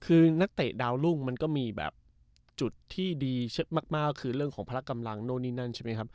คือนักเตะดาวรุ่งมันก็มีแบบจุดที่ดีมากก็คือเรื่องของพละกำลังโน้นนี่นั่นใช่ไหมครับ